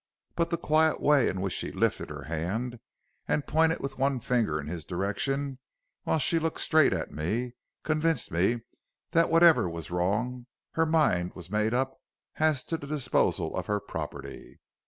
But the quiet way in which she lifted her hand and pointed with one finger in his direction while she looked straight at me, convinced me that whatever was wrong, her mind was made up as to the disposal of her property.